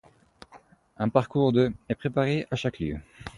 Un parcours de est préparé à chaque lieu.